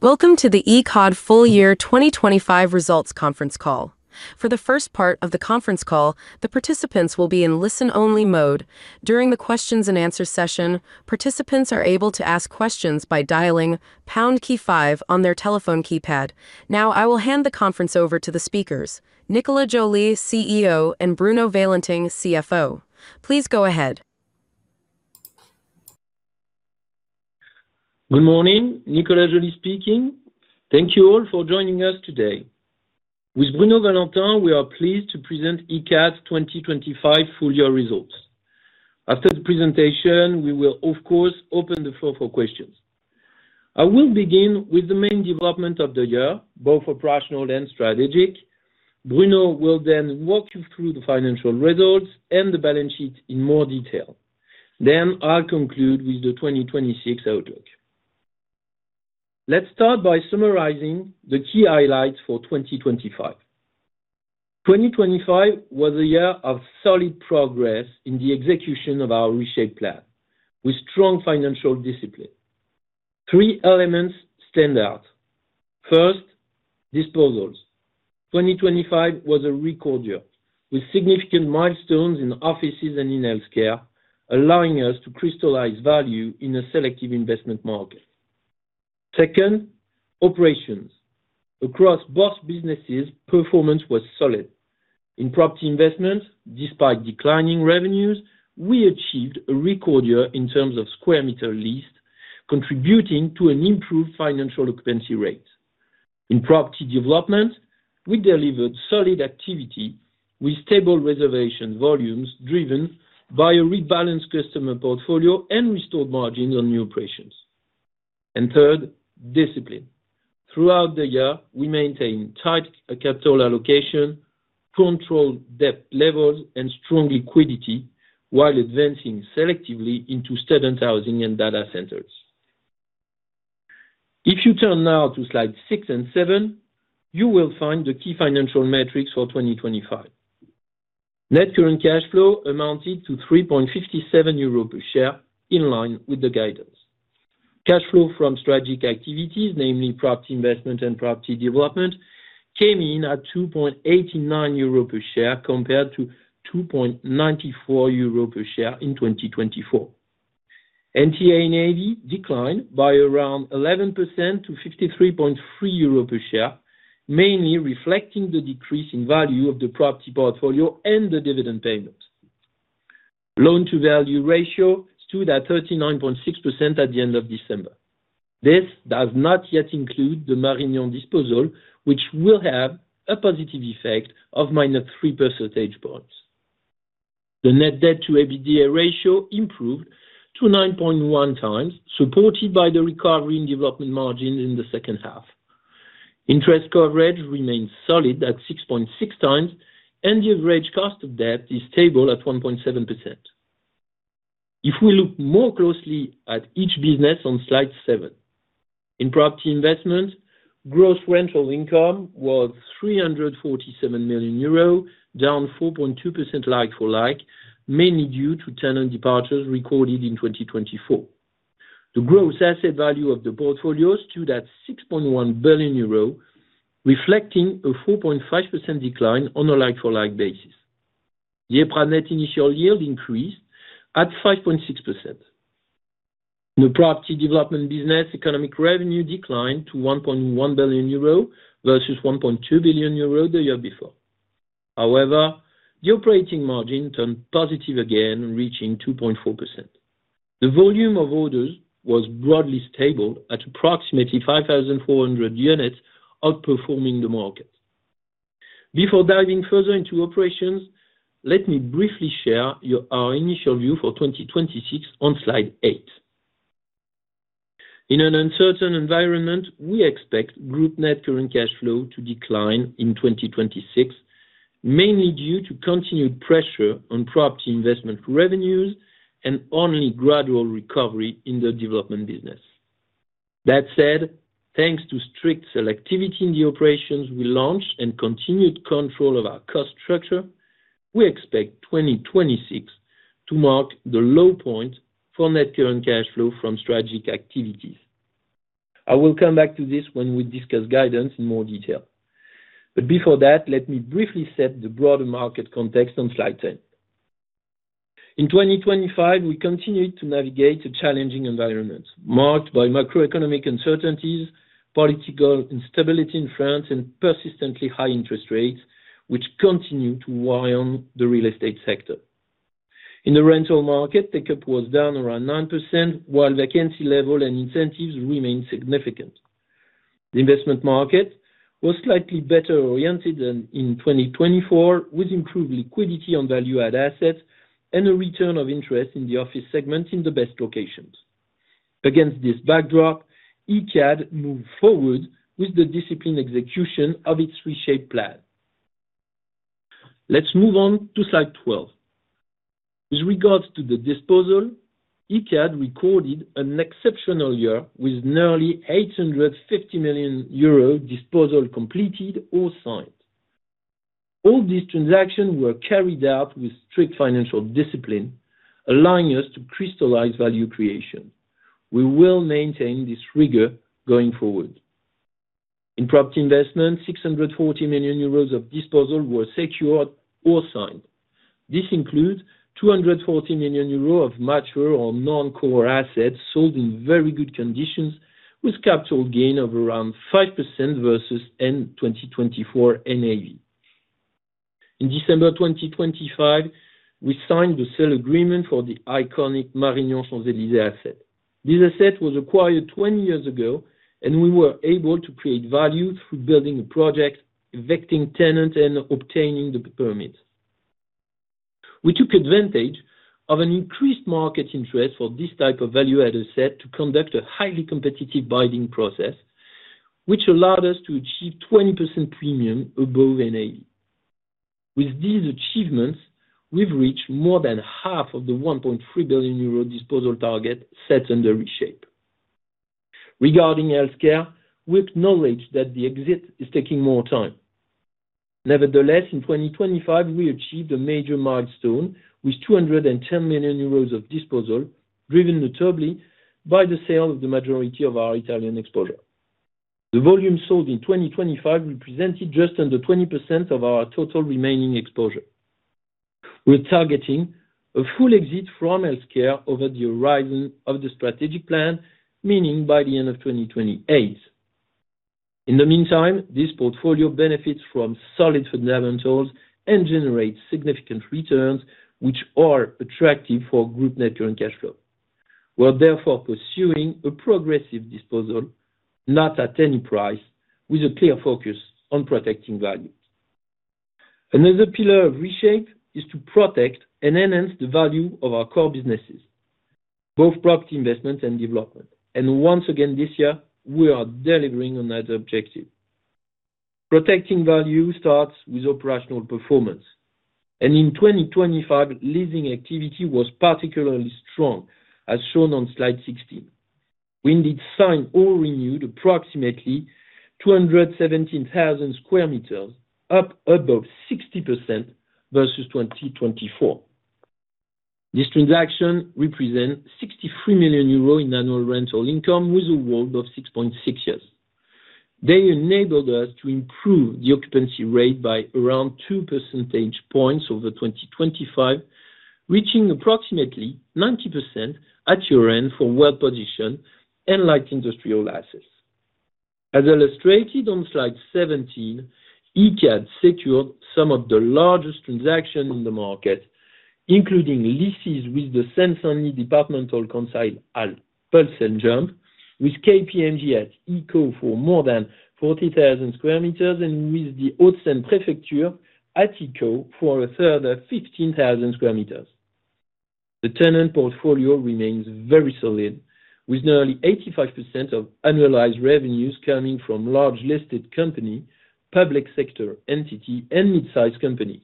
Welcome to the Icade Full Year 2025 Results conference call. For the first part of the conference call, the participants will be in listen-only mode. During the questions and answer session, participants are able to ask questions by dialing pound key five on their telephone keypad. Now, I will hand the conference over to the speakers, Nicolas Joly, CEO, and Bruno Valentin, CFO. Please go ahead. Good morning, Nicolas Joly speaking. Thank you all for joining us today. With Bruno Valentin, we are pleased to present Icade's 2025 full year results. After the presentation, we will, of course, open the floor for questions. I will begin with the main development of the year, both operational and strategic. Bruno will then walk you through the financial results and the balance sheet in more detail. Then I'll conclude with the 2026 outlook. Let's start by summarizing the key highlights for 2025. 2025 was a year of solid progress in the execution of our ReShapE plan with strong financial discipline. Three elements stand out. First, disposals. 2025 was a record year, with significant milestones in offices and in healthcare, allowing us to crystallize value in a selective investment market. Second, operations. Across both businesses, performance was solid. In Property Investments, despite declining revenues, we achieved a record year in terms of square meter leased, contributing to an improved financial occupancy rate. In Property Development, we delivered solid activity with stable reservation volumes, driven by a rebalanced customer portfolio and restored margins on new operations. And third, discipline. Throughout the year, we maintained tight capital allocation, controlled debt levels, and strong liquidity while advancing selectively into student housing and data centers. If you turn now to slide six and seven, you will find the key financial metrics for 2025. Net current cash flow amounted to 3.57 euro per share, in line with the guidance. Cash flow from strategic activities, namely, Property Investment and Property Development, came in at 2.89 euro per share, compared to 2.94 euro per share in 2024. NTA/NAV declined by around 11% to 53.3 euro per share, mainly reflecting the decrease in value of the property portfolio and the dividend payment. Loan-to-value ratio stood at 39.6% at the end of December. This does not yet include the Marignan disposal, which will have a positive effect of minus three percentage points. The net debt to EBITDA ratio improved to 9.1x, supported by the recovery in development margin in the second half. Interest coverage remains solid at 6.6x, and the average cost of debt is stable at 1.7%. If we look more closely at each business on slide seven. In Property Investment, gross rental income was 347 million euro, down 4.2% like for like, mainly due to tenant departures recorded in 2024. The gross asset value of the portfolio stood at 6.1 billion euro, reflecting a 4.5% decline on a like-for-like basis. The net initial yield increased at 5.6%. The Property Development business, economic revenue declined to 1.1 billion euro versus 1.2 billion euro the year before. However, the operating margin turned positive again, reaching 2.4%. The volume of orders was broadly stable at approximately 5,400 units, outperforming the market. Before diving further into operations, let me briefly share your, our initial view for 2026 on slide eight. In an uncertain environment, we expect group net current cash flow to decline in 2026, mainly due to continued pressure on Property Investment revenues and only gradual recovery in the development business. That said, thanks to strict selectivity in the operations we launched and continued control of our cost structure, we expect 2026 to mark the low point for net current cash flow from strategic activities. I will come back to this when we discuss guidance in more detail. But before that, let me briefly set the broader market context on slide 10. In 2025, we continued to navigate a challenging environment marked by macroeconomic uncertainties, political instability in France, and persistently high interest rates, which continue to weigh on the real estate sector. In the rental market, pickup was down around 9%, while vacancy level and incentives remained significant. The investment market was slightly better oriented than in 2024, with improved liquidity on value-add assets and a return of interest in the office segment in the best locations. Against this backdrop, Icade moved forward with the disciplined execution of its ReShapE plan. Let's move on to slide 12. With regards to the disposals, Icade recorded an exceptional year with nearly 850 million euro in disposals completed or signed. All these transactions were carried out with strict financial discipline, allowing us to crystallize value creation. We will maintain this rigor going forward. In Property Investment, 640 million euros in disposals were secured or signed. This includes 240 million euros of mature or non-core assets sold in very good conditions, with capital gain of around 5% versus end of 2024 NAV. In December 2025, we signed the sale agreement for the iconic Marignan Les Invalides asset. This asset was acquired 20 years ago, and we were able to create value through building a project, evicting tenants, and obtaining the permits. We took advantage of an increased market interest for this type of value-added asset to conduct a highly competitive bidding process, which allowed us to achieve 20% premium above NAV. With these achievements, we've reached more than half of the 1.3 billion euro disposal target set under ReShapE. Regarding healthcare, we acknowledge that the exit is taking more time. Nevertheless, in 2025, we achieved a major milestone with 210 million euros of disposal, driven notably by the sale of the majority of our Italian exposure. The volume sold in 2025 represented just under 20% of our total remaining exposure. We're targeting a full exit from healthcare over the horizon of the strategic plan, meaning by the end of 2028. In the meantime, this portfolio benefits from solid fundamentals and generates significant returns, which are attractive for group net current cash flow. We're therefore pursuing a progressive disposal, not at any price, with a clear focus on protecting value. Another pillar of ReShapE is to protect and enhance the value of our core businesses, both Property Investment and development. And once again, this year, we are delivering on that objective. Protecting value starts with operational performance, and in 2025, leasing activity was particularly strong, as shown on slide 16. We indeed signed or renewed approximately 217,000 square meters, up 60% versus 2024. This transaction represents 63 million euros in annual rental income, with a WALT of 6.6 years. They enabled us to improve the occupancy rate by around 2 percentage points over 2025, reaching approximately 90% at year-end for well-positioned and light industrial assets. As illustrated on Slide 17, Icade secured some of the largest transactions in the market, including leases with the Seine-Saint-Denis Departmental Council at Pulse Saint-Jean, with KPMG at EQHO for more than 40,000 sq m, and with the Hauts-de-Seine Prefecture at EQHO for a further 15,000 sq m. The tenant portfolio remains very solid, with nearly 85% of annualized revenues coming from large-listed company, public sector entity, and mid-sized companies.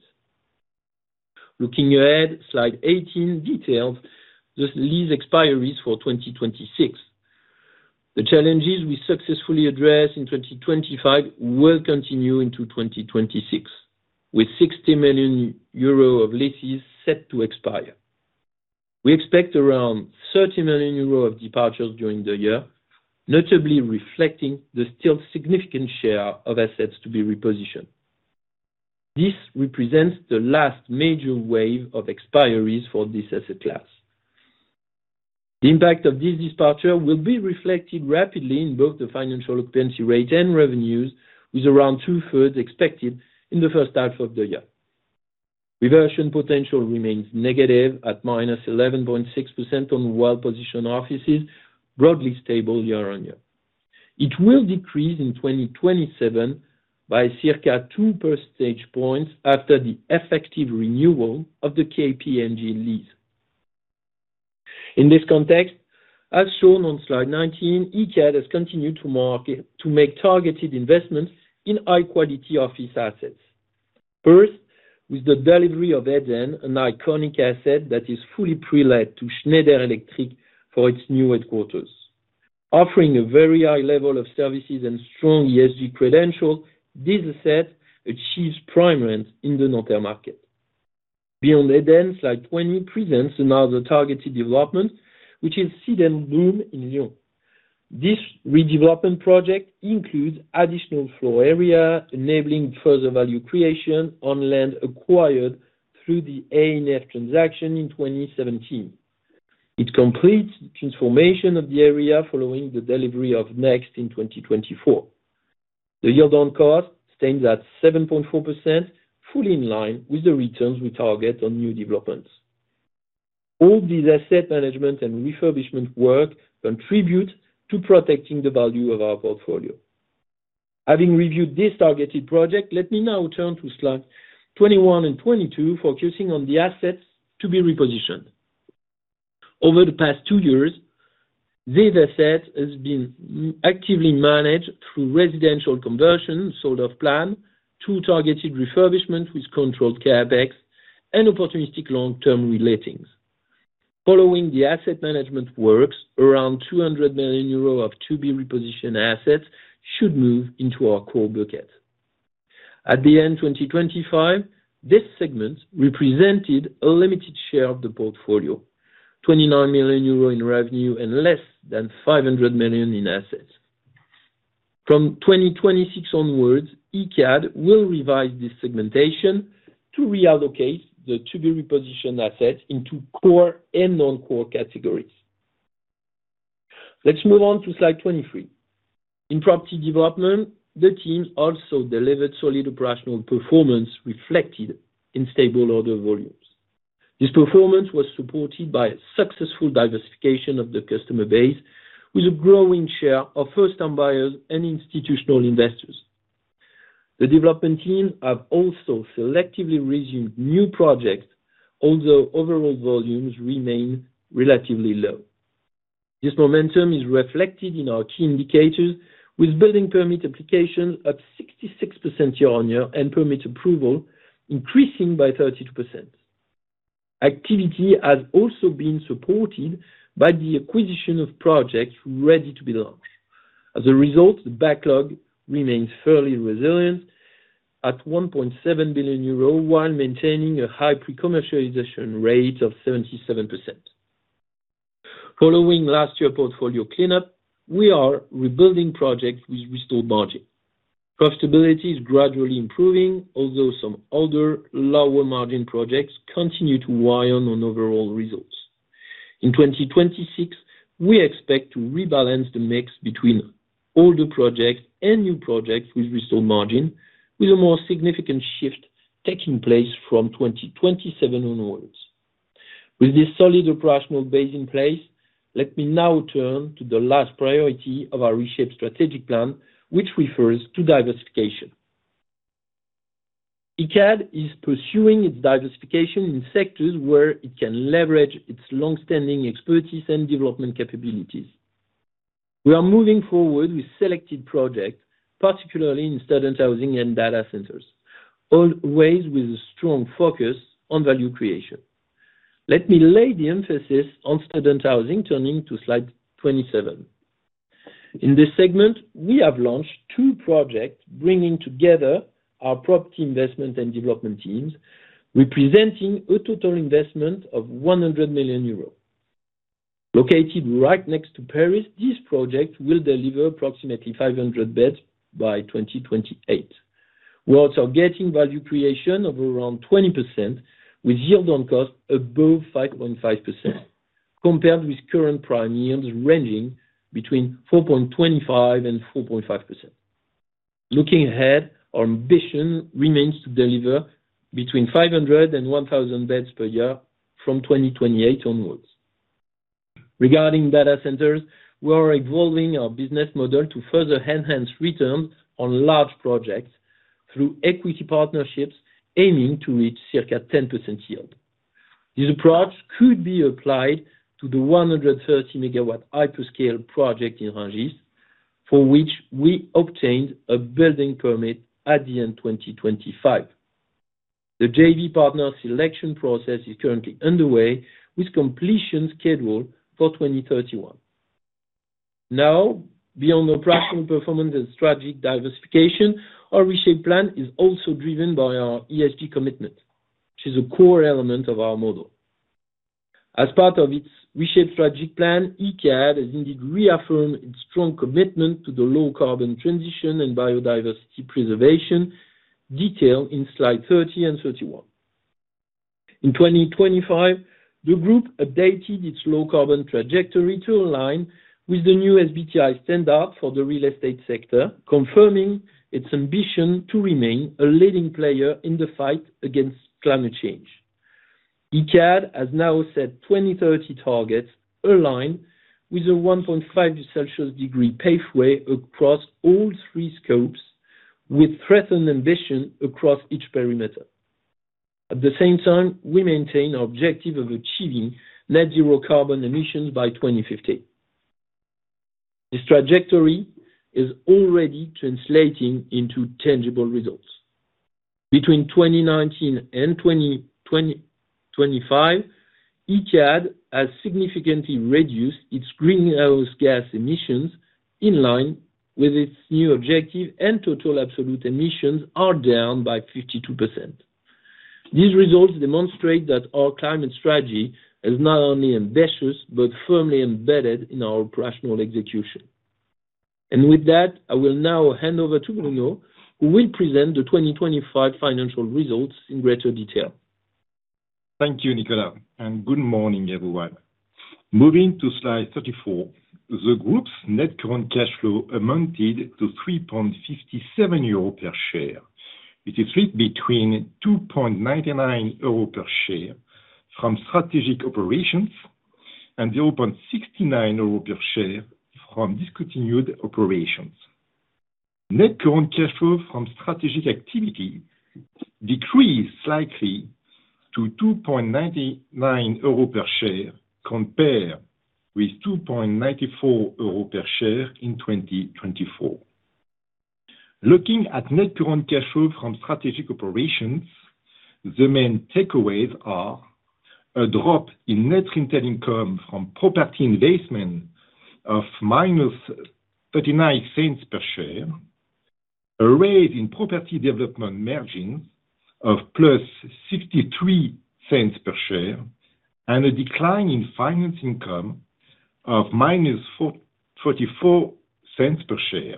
Looking ahead, slide 18 details the lease expiries for 2026. The challenges we successfully addressed in 2025 will continue into 2026, with 60 million euro of leases set to expire. We expect around 30 million euro of departures during the year, notably reflecting the still significant share of assets to be repositioned. This represents the last major wave of expiries for this asset class. The impact of this departure will be reflected rapidly in both the financial occupancy rate and revenues, with around 2/3 expected in the first half of the year. Reversion potential remains negative at -11.6% on well-positioned offices, broadly stable year-on-year. It will decrease in 2027 by circa 2 percentage points after the effective renewal of the KPMG lease. In this context, as shown on slide 19, Icade has continued to market-- to make targeted investments in high-quality office assets. First, with the delivery of Edenn, an iconic asset that is fully prelet to Schneider Electric for its new headquarters. Offering a very high level of services and strong ESG credentials, this asset achieves prime rent in the Nanterre market. Beyond Edenn, slide 20 presents another targeted development, which is Seed and Bloom in Lyon. This redevelopment project includes additional floor area, enabling further value creation on land acquired through the ANF transaction in 2017. It completes the transformation of the area following the delivery of Next in 2024. The year-on cost stands at 7.4%, fully in line with the returns we target on new developments. All these asset management and refurbishment work contribute to protecting the value of our portfolio. Having reviewed this targeted project, let me now turn to slide 21 and 22, focusing on the assets to be repositioned. Over the past two years... These assets has been actively managed through residential conversion, sold off plan, two targeted refurbishment with controlled CapEx, and opportunistic long-term relettings. Following the asset management works, around 200 million euro of to-be repositioned assets should move into our core bucket. At the end of 2025, this segment represented a limited share of the portfolio, 29 million euro in revenue and less than 500 million in assets. From 2026 onwards, Icade will revise this segmentation to reallocate the to-be repositioned assets into core and non-core categories. Let's move on to slide 23. In Property Development, the team also delivered solid operational performance, reflected in stable order volumes. This performance was supported by a successful diversification of the customer base, with a growing share of first-time buyers and institutional investors. The development team have also selectively resumed new projects, although overall volumes remain relatively low. This momentum is reflected in our key indicators, with building permit applications up 66% year-on-year, and permit approval increasing by 32%. Activity has also been supported by the acquisition of projects ready to be launched. As a result, the backlog remains fairly resilient at 1.7 billion euro, while maintaining a high pre-commercialization rate of 77%. Following last year's portfolio cleanup, we are rebuilding projects with restored margin. Profitability is gradually improving, although some older, lower-margin projects continue to weigh on overall results. In 2026, we expect to rebalance the mix between older projects and new projects with restored margin, with a more significant shift taking place from 2027 onwards. With this solid operational base in place, let me now turn to the last priority of our ReShapE strategic plan, which refers to diversification. Icade is pursuing its diversification in sectors where it can leverage its long-standing expertise and development capabilities. We are moving forward with selected projects, particularly in student housing and data centers, always with a strong focus on value creation. Let me lay the emphasis on student housing, turning to slide 27. In this segment, we have launched two projects, bringing together our Property Investment and development teams, representing a total investment of 100 million euros. Located right next to Paris, this project will deliver approximately 500 beds by 2028. We're also getting value creation of around 20%, with yield on cost above 5.5%, compared with current prime yields ranging between 4.25% and 4.5%. Looking ahead, our ambition remains to deliver between 500 and 1,000 beds per year from 2028 onwards. Regarding data centers, we are evolving our business model to further enhance return on large projects through equity partnerships, aiming to reach circa 10% yield. This approach could be applied to the 130 MW hyperscale project in Rungis, for which we obtained a building permit at the end of 2025. The JV partner selection process is currently underway, with completion scheduled for 2031. Now, beyond operational performance and strategic diversification, our ReShapE plan is also driven by our ESG commitment, which is a core element of our model. As part of its ReShapE strategic plan, Icade has indeed reaffirmed its strong commitment to the low-carbon transition and biodiversity preservation, detailed in slide 30 and 31. In 2025, the group updated its low-carbon trajectory to align with the new SBTi standard for the real estate sector, confirming its ambition to remain a leading player in the fight against climate change. Icade has now set 2030 targets aligned with a 1.5 degrees Celsius pathway across all three scopes, with threatened ambition across each perimeter. At the same time, we maintain our objective of achieving net zero carbon emissions by 2050. This trajectory is already translating into tangible results. Between 2019 and 2025, Icade has significantly reduced its greenhouse gas emissions in line with its new objective, and total absolute emissions are down by 52%. These results demonstrate that our climate strategy is not only ambitious, but firmly embedded in our operational execution. With that, I will now hand over to Bruno, who will present the 2025 financial results in greater detail. Thank you, Nicolas, and good morning, everyone. Moving to slide 34, the group's net current cash flow amounted to 3.57 euro per share, which is split between 2.99 euro per share from strategic operations and 0.69 euro per share from discontinued operations. Net current cash flow from strategic activity decreased slightly to 2.99 euro per share, compared with 2.94 euro per share in 2024. Looking at net current cash flow from strategic operations, the main takeaways are: a drop in net rental income from Property Investment Division of -0.39 per share, a rise in Property Development margins of +0.63 EUR per share, and a decline in finance income of -0.44 per share.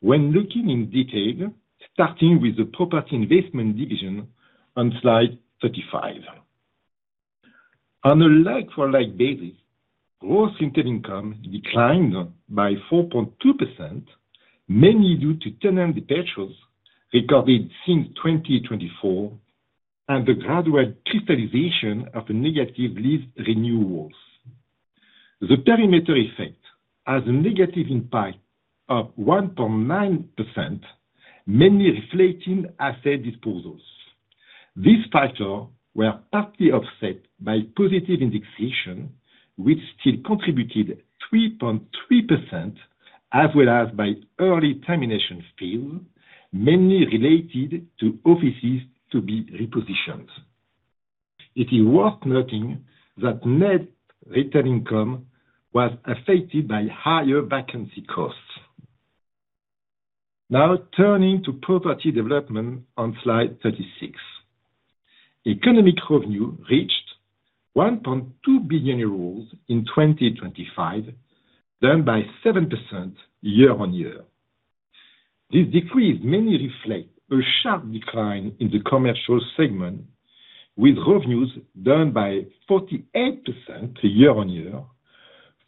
When looking in detail, starting with the Property Investment Division on slide 35. On a like-for-like basis, gross rented income declined by 4.2%, mainly due to tenant departures recorded since 2024, and the gradual crystallization of the negative lease renewals. The perimeter effect has a negative impact of 1.9%, mainly reflecting asset disposals. These factors were partly offset by positive indexation, which still contributed 3.3%, as well as by early termination fees, mainly related to offices to be repositioned. It is worth noting that net return income was affected by higher vacancy costs. Now turning to Property Development on slide 36. Economic revenue reached 1.2 billion euros in 2025, down by 7% year on year. This decrease mainly reflects a sharp decline in the commercial segment, with revenues down by 48% year on year,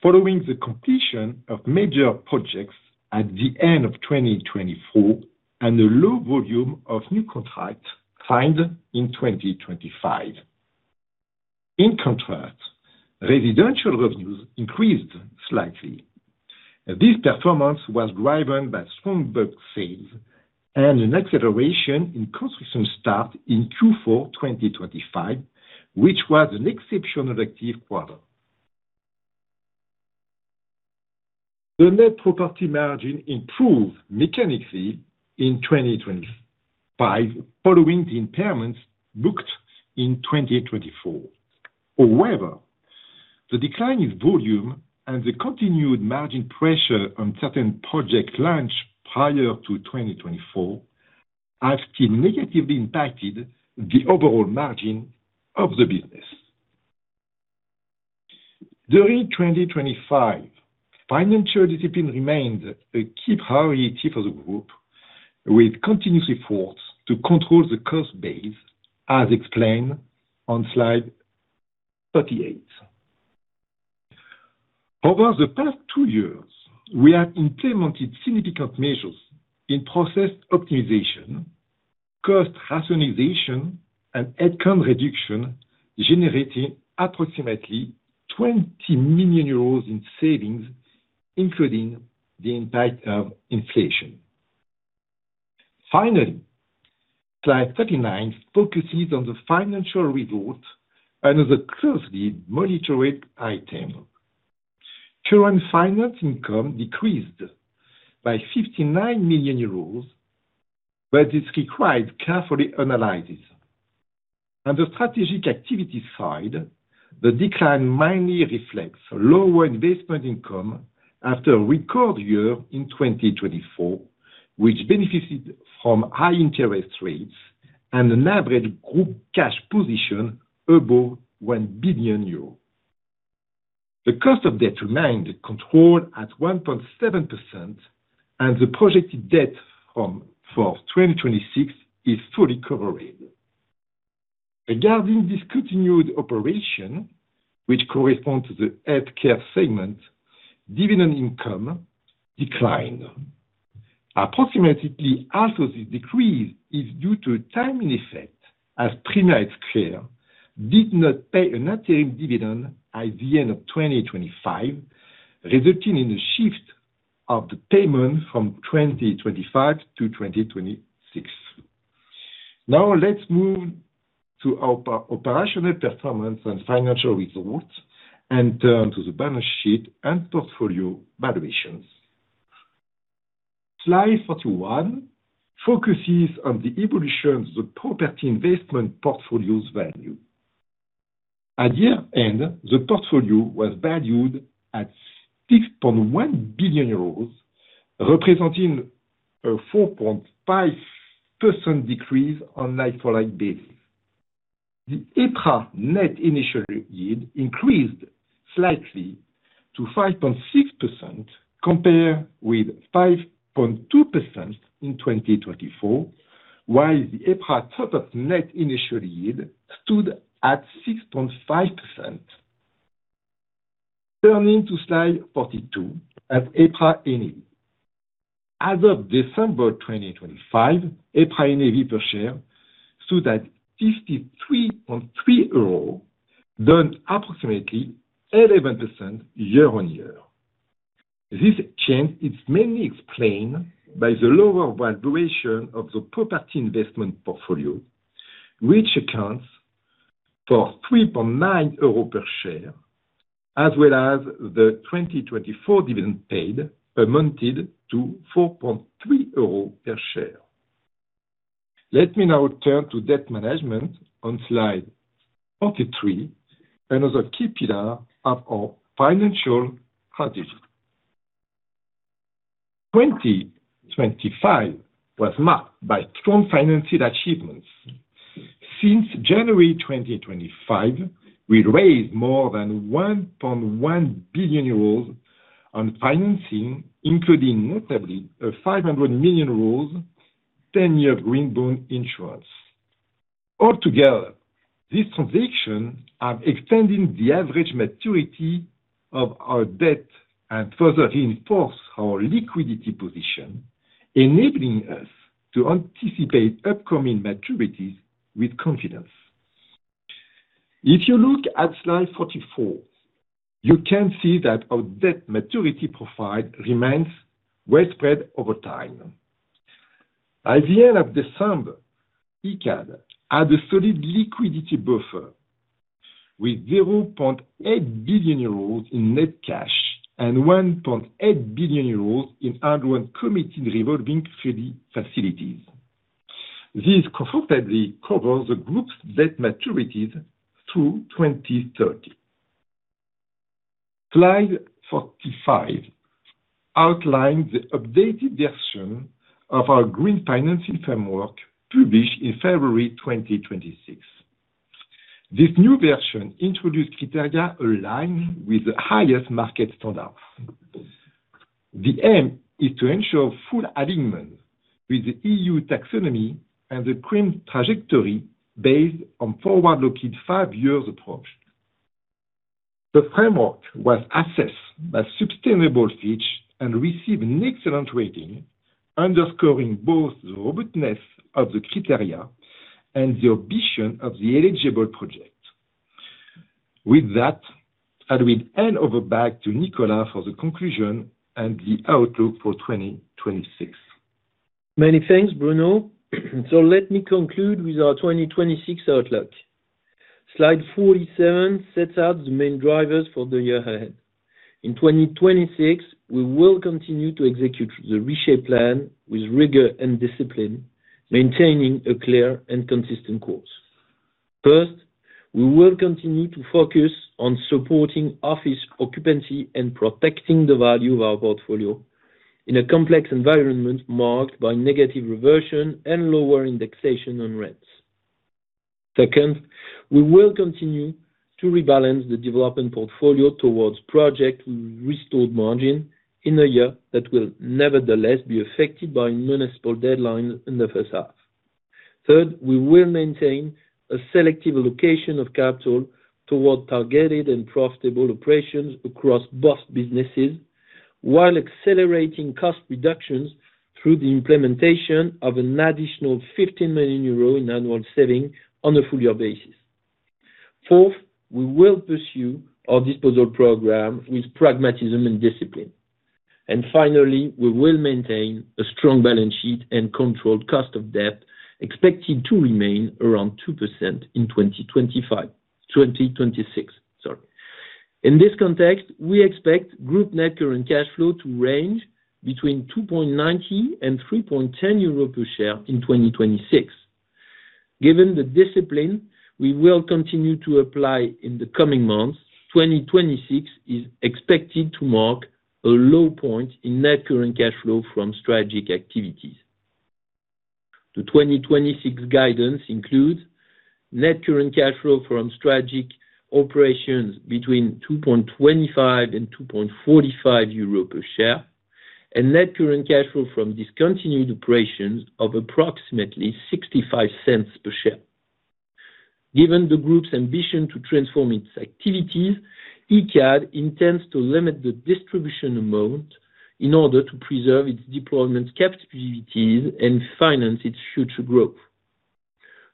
following the completion of major projects at the end of 2024 and a low volume of new contracts signed in 2025. In contrast, residential revenues increased slightly. This performance was driven by strong book sales and an acceleration in construction start in Q4 2025, which was an exceptionally active quarter. The net property margin improved mechanically in 2025, following the impairments booked in 2024. However, the decline in volume and the continued margin pressure on certain project launch prior to 2024 have still negatively impacted the overall margin of the business. During 2025, financial discipline remained a key priority for the group, with continuous efforts to control the cost base, as explained on slide 38. Over the past two years, we have implemented significant measures in process optimization, cost rationalization, and head count reduction, generating approximately 20 million euros in savings, including the impact of inflation. Finally, slide 39 focuses on the financial results and the closely monitored item. Current finance income decreased by EUR 59 million, but it requires careful analysis. On the strategic activity side, the decline mainly reflects lower investment income after a record year in 2024, which benefited from high interest rates and an average group cash position above 1 billion euros. The cost of debt remained controlled at 1.7%, and the projected debt for 2026 is fully covered. Regarding discontinued operation, which corresponds to the healthcare segment, dividend income declined. Approximately half of the decrease is due to a timing effect, as Praemia Healthcare did not pay an interim dividend at the end of 2025, resulting in a shift of the payment from 2025 to 2026. Now, let's move to our operational performance and financial results, and turn to the balance sheet and portfolio valuations. Slide 41 focuses on the evolution of the Property Investment portfolio's value. At year-end, the portfolio was valued at 6.1 billion euros, representing a 4.5% decrease on like-for-like basis. The EPRA net initial yield increased slightly to 5.6%, compared with 5.2% in 2024, while the EPRA total net initial yield stood at 6.5%. Turning to Slide 42 at EPRA NAV. As of December 2025, EPRA NAV per share, so that 53.3 euro, down approximately 11% year-on-year. This change is mainly explained by the lower valuation of the Property Investment portfolio, which accounts for 3.9 euros per share, as well as the 2024 dividend paid amounted to 4.3 euro per share. Let me now turn to debt management on slide 43, another key pillar of our financial strategy. 2025 was marked by strong financing achievements. Since January 2025, we raised more than 1.1 billion euros on financing, including notably a 500 million euros, 10-year green bond insurance. Altogether, these transactions are extending the average maturity of our debt and further reinforce our liquidity position, enabling us to anticipate upcoming maturities with confidence. If you look at slide 44, you can see that our debt maturity profile remains well spread over time. At the end of December, Icade had a solid liquidity buffer with 0.8 billion euros in net cash and 1.8 billion euros in ongoing committed revolving facilities. This comfortably covers the group's debt maturities through 2030. Slide 45 outlines the updated version of our green financing framework, published in February 2026. This new version introduced criteria aligned with the highest market standards. The aim is to ensure full alignment with the EU Taxonomy and the green trajectory based on forward-looking five-year approach. The framework was assessed by Sustainable Fitch and received an excellent rating, underscoring both the robustness of the criteria and the ambition of the eligible project. With that, I will hand over back to Nicolas for the conclusion and the outlook for 2026. Many thanks, Bruno. So let me conclude with our 2026 outlook. Slide 47 sets out the main drivers for the year ahead. In 2026, we will continue to execute the ReShapE plan with rigor and discipline, maintaining a clear and consistent course. First, we will continue to focus on supporting office occupancy and protecting the value of our portfolio in a complex environment marked by negative reversion and lower indexation on rents. Second, we will continue to rebalance the development portfolio towards project restored margin in a year that will nevertheless be affected by municipal deadlines in the first half. Third, we will maintain a selective allocation of capital toward targeted and profitable operations across both businesses, while accelerating cost reductions through the implementation of an additional 15 million euro in annual saving on a full-year basis. Fourth, we will pursue our disposal program with pragmatism and discipline. And finally, we will maintain a strong balance sheet and controlled cost of debt, expected to remain around 2% in 2025, 2026, sorry. In this context, we expect group net current cash flow to range between 2.90 and 3.10 euro per share in 2026. Given the discipline we will continue to apply in the coming months, 2026 is expected to mark a low point in net current cash flow from strategic activities. The 2026 guidance includes net current cash flow from strategic operations between 2.25 and 2.45 euro per share, and net current cash flow from discontinued operations of approximately 0.65 per share. Given the group's ambition to transform its activities, Icade intends to limit the distribution amount in order to preserve its deployment capabilities and finance its future growth.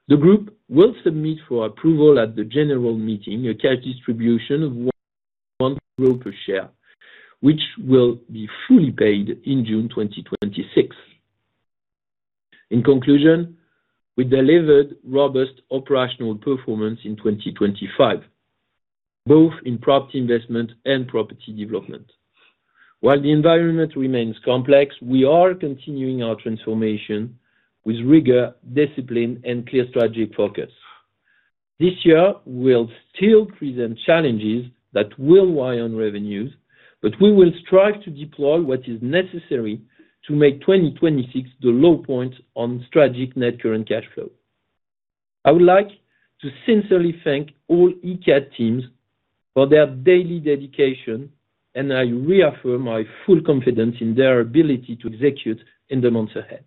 The group will submit for approval at the general meeting, a cash distribution of 1 per share, which will be fully paid in June 2026. In conclusion, we delivered robust operational performance in 2025, both in Property Investment and Property Development. While the environment remains complex, we are continuing our transformation with rigor, discipline, and clear strategic focus. This year will still present challenges that will weigh on revenues, but we will strive to deploy what is necessary to make 2026 the low point on strategic net current cash flow. I would like to sincerely thank all Icade teams for their daily dedication, and I reaffirm my full confidence in their ability to execute in the months ahead.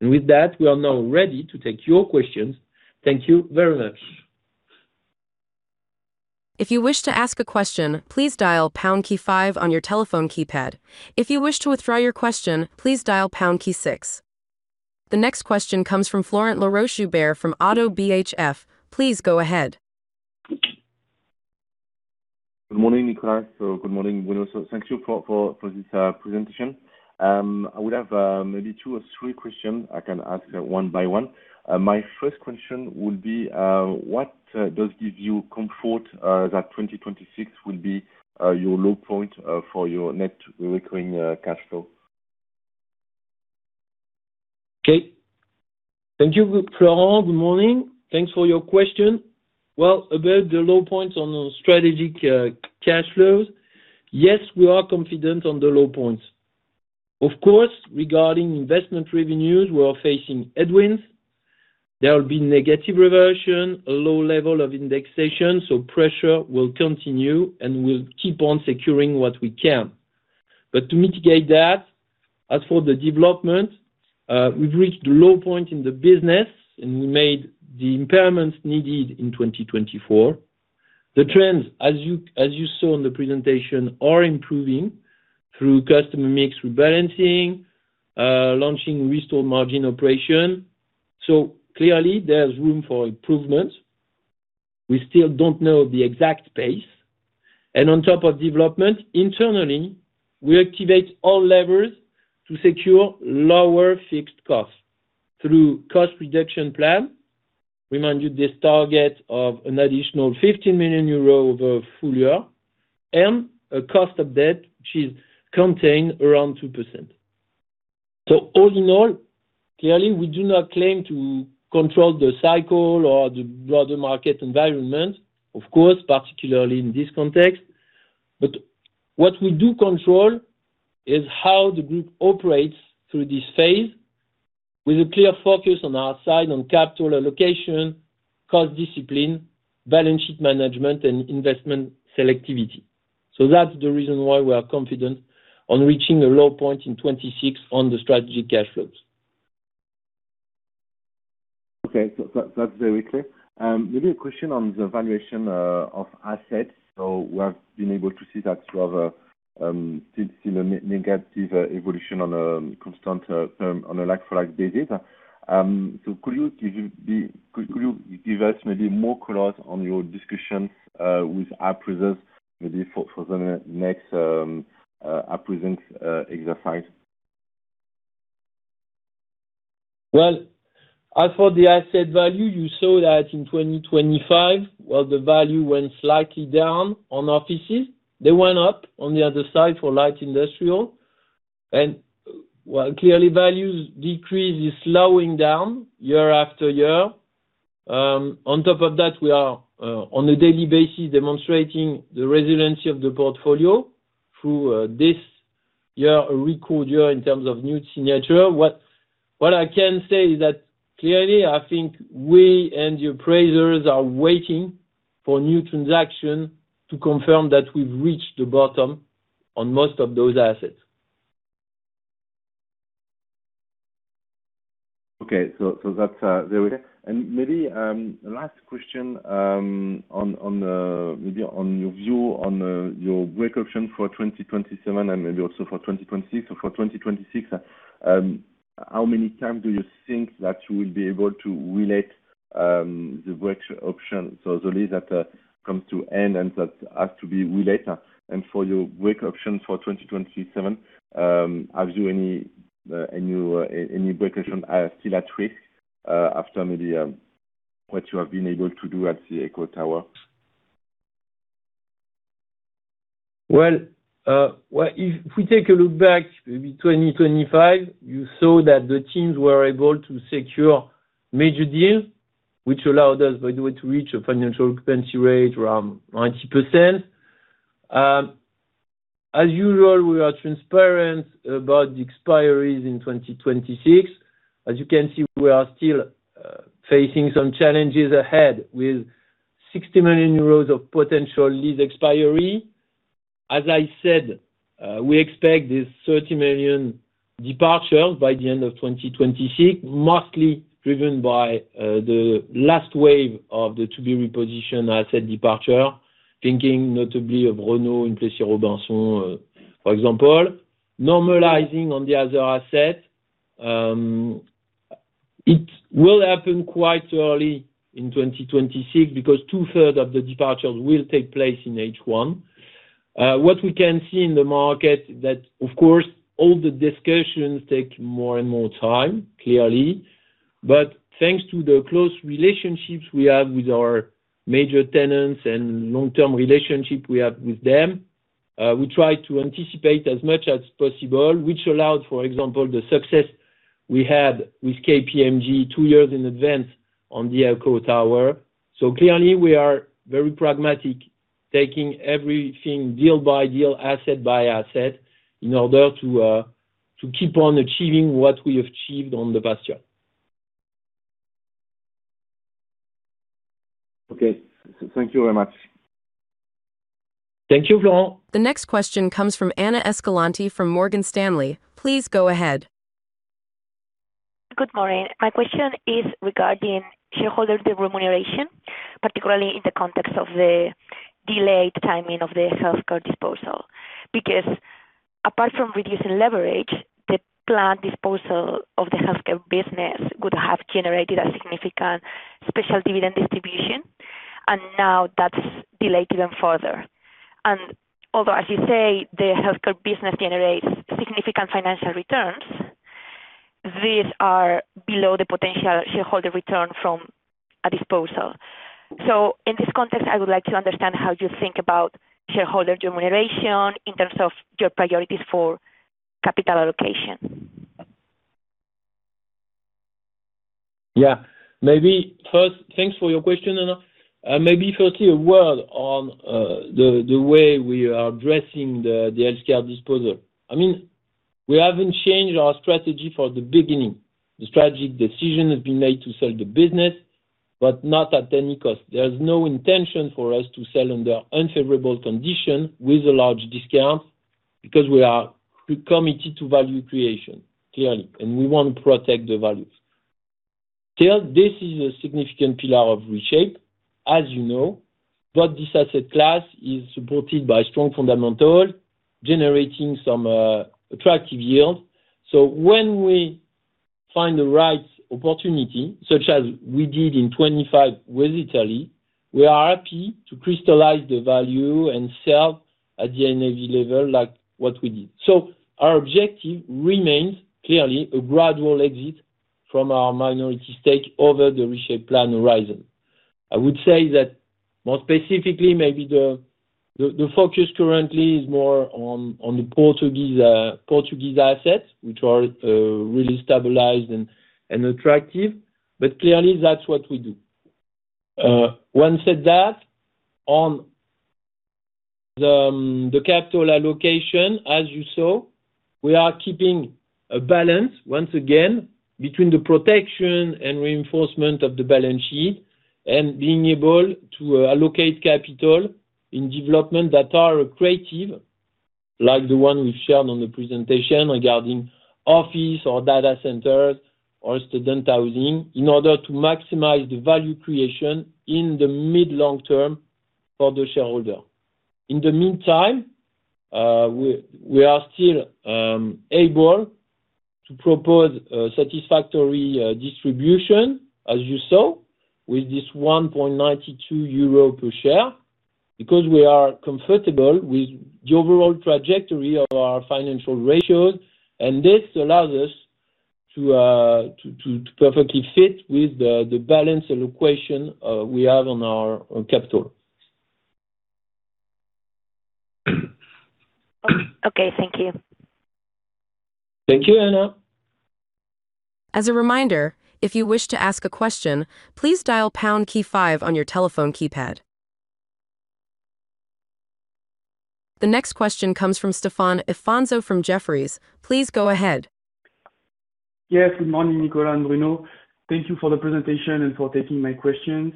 And with that, we are now ready to take your questions. Thank you very much! If you wish to ask a question, please dial pound key five on your telephone keypad. If you wish to withdraw your question, please dial pound key six. The next question comes from Florent Laroche-Joubert from ODDO BHF. Please go ahead. Good morning, Nicolas. Good morning, Bruno. Thank you for this presentation. I would have maybe two or three questions. I can ask them one by one. My first question would be, what does give you comfort that 2026 will be your low point for your net recurring cash flow? Okay. Thank you, Florent. Good morning. Thanks for your question. Well, about the low points on those strategic cash flows, yes, we are confident on the low points. Of course, regarding investment revenues, we are facing headwinds. There will be negative reversion, a low level of indexation, so pressure will continue, and we'll keep on securing what we can. But to mitigate that, as for the development, we've reached a low point in the business, and we made the impairments needed in 2024. The trends, as you saw in the presentation, are improving through customer mix rebalancing, launching restore margin operation. So clearly there's room for improvement. We still don't know the exact pace, and on top of development, internally, we activate all levers to secure lower fixed costs through cost reduction plan. Remind you, this target of an additional 50 million euro over full year and a cost of debt, which is contained around 2%. So all in all, clearly, we do not claim to control the cycle or the broader market environment, of course, particularly in this context, but what we do control is how the group operates through this phase with a clear focus on our side, on capital allocation, cost discipline, balance sheet management, and investment selectivity. So that's the reason why we are confident on reaching a low point in 2026 on the strategic cash flows. Okay. So that, that's very clear. Maybe a question on the valuation of assets. So we have been able to see that you have still a negative evolution on a constant term, on a like-for-like basis. So could you give us maybe more colors on your discussions with our appraisers, maybe for the next appraisers exercise? Well, as for the asset value, you saw that in 2025, well, the value went slightly down on offices. They went up on the other side for light industrial, and, well, clearly, values decrease is slowing down year after year. On top of that, we are, on a daily basis, demonstrating the resiliency of the portfolio through, this year, a record year in terms of new signature. What I can say is that clearly, I think we and the appraisers are waiting for new transaction to confirm that we've reached the bottom on most of those assets. Okay. That's very clear. Maybe last question, on your view on your break option for 2027 and maybe also for 2026. For 2026, how many times do you think that you will be able to relet the break option, so the lease that comes to end and that has to be relet? For your break option for 2027, have you any break option still at risk after maybe what you have been able to do at the EQHO Tower? Well, well, if we take a look back, maybe 2025, you saw that the teams were able to secure major deals, which allowed us, by the way, to reach a financial occupancy rate around 90%. As usual, we are transparent about the expiries in 2026. As you can see, we are still facing some challenges ahead with 60 million euros of potential lease expiry. As I said, we expect this 30 million departure by the end of 2026, mostly driven by the last wave of the to-be repositioned asset departure, thinking notably of Renault in Le Plessis-Robinson, for example. Normalizing on the other asset, it will happen quite early in 2026 because 2/3 of the departures will take place in H1. What we can see in the market is that, of course, all the discussions take more and more time, clearly. But thanks to the close relationships we have with our major tenants and long-term relationship we have with them, we try to anticipate as much as possible, which allowed, for example, the success we had with KPMG two years in advance on the EQHO Tower. So clearly, we are very pragmatic, taking everything deal by deal, asset by asset, in order to keep on achieving what we have achieved in the past year. Okay. Thank you very much. Thank you, Florent. The next question comes from Ana Escalante from Morgan Stanley. Please go ahead. Good morning. My question is regarding shareholder remuneration, particularly in the context of the delayed timing of the healthcare disposal. Because apart from reducing leverage, the planned disposal of the healthcare business would have generated a significant special dividend distribution, and now that's delayed even further. Although, as you say, the healthcare business generates significant financial returns, these are below the potential shareholder return from a disposal. So in this context, I would like to understand how you think about shareholder remuneration in terms of your priorities for capital allocation. Yeah. Maybe first, thanks for your question, Ana. Maybe firstly, a word on the way we are addressing the healthcare disposal. I mean, we haven't changed our strategy from the beginning. The strategic decision has been made to sell the business, but not at any cost. There's no intention for us to sell under unfavorable conditions with a large discount, because we are committed to value creation, clearly, and we want to protect the values. Still, this is a significant pillar of ReShapE, as you know, but this asset class is supported by strong fundamentals, generating some attractive yield. So when we find the right opportunity, such as we did in 2025 with Italy, we are happy to crystallize the value and sell at the NAV level like what we did. So our objective remains, clearly, a gradual exit from our minority stake over the ReShapE plan horizon. I would say that more specifically, maybe the focus currently is more on the Portuguese assets, which are really stabilized and attractive. But clearly, that's what we do. Once said that, on the capital allocation, as you saw, we are keeping a balance, once again, between the protection and reinforcement of the balance sheet and being able to allocate capital in development that are accretive, like the one we've shown on the presentation regarding office or data centers or student housing, in order to maximize the value creation in the mid-long term for the shareholder. In the meantime, we are still able to propose a satisfactory distribution, as you saw, with this 1.92 euro per share, because we are comfortable with the overall trajectory of our financial ratios, and this allows us to perfectly fit with the balance allocation we have on our capital. Okay. Thank you. Thank you, Ana. As a reminder, if you wish to ask a question, please dial pound key five on your telephone keypad. The next question comes from Stéphane Afonso from Jefferies. Please go ahead. Yes. Good morning, Nicolas and Bruno. Thank you for the presentation and for taking my questions.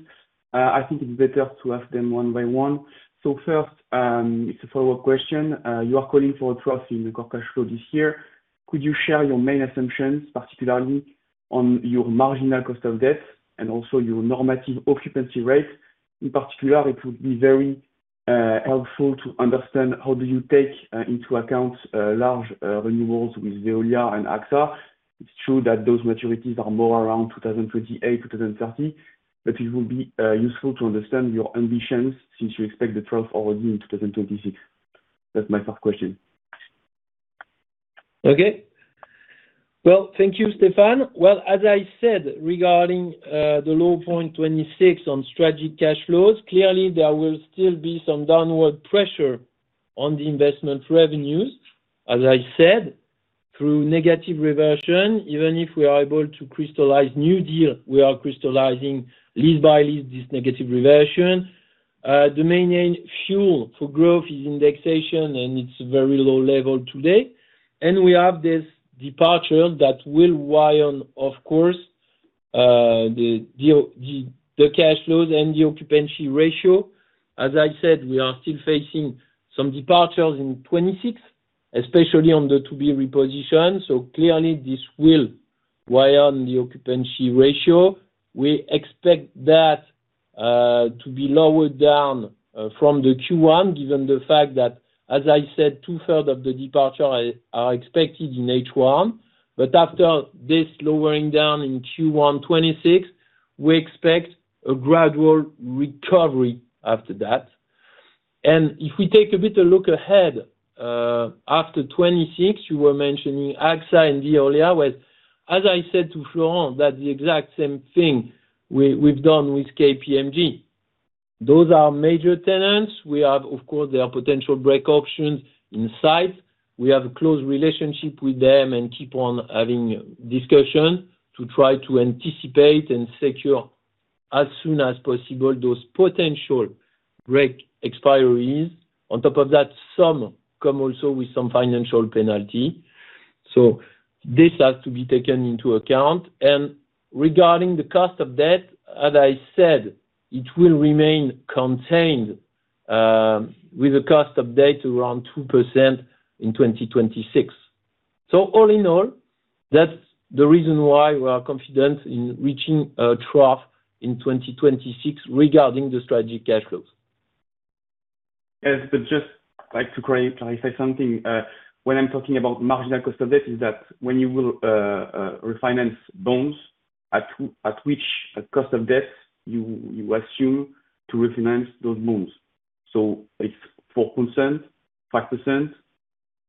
I think it's better to ask them one by one. So first, it's a follow-up question. You are calling for trust in the core cash flow this year. Could you share your main assumptions, particularly on your marginal cost of debt and also your normative occupancy rates? In particular, it would be very helpful to understand how do you take into account large renewals with Veolia and AXA. It's true that those maturities are more around 2028, 2030, but it will be useful to understand your ambitions since you expect the growth already in 2026. That's my first question. Okay. Well, thank you, Stéphane. Well, as I said, regarding the low point 2026 on strategic cash flows, clearly, there will still be some downward pressure on the investment revenues, as I said, through negative reversion. Even if we are able to crystallize new deal, we are crystallizing lease by lease, this negative reversion. The main fuel for growth is indexation, and it's very low level today. And we have this departure that will weigh on, of course, the cash flows and the occupancy ratio. As I said, we are still facing some departures in 2026, especially on the to-be reposition. So clearly, this will weigh on the occupancy ratio. We expect that to be lowered down from the Q1, given the fact that, as I said, 2/3 of the departure are expected in H1. But after this lowering down in Q1 2026, we expect a gradual recovery after that. And if we take a better look ahead, after 2026, you were mentioning AXA and Veolia. Well, as I said to Florent, that's the exact same thing we, we've done with KPMG. Those are major tenants. We have. Of course, there are potential break options in sight. We have a close relationship with them and keep on having discussion to try to anticipate and secure, as soon as possible, those potential break expiries. On top of that, some come also with some financial penalty, so this has to be taken into account. And regarding the cost of debt, as I said, it will remain contained, with a cost of debt around 2% in 2026. All in all, that's the reason why we are confident in reaching trough in 2026 regarding the strategic cash flows. Yes, but just like to clarify something. When I'm talking about marginal cost of debt, is that when you will refinance bonds, at which cost of debt you assume to refinance those bonds? So it's 4%, 5%,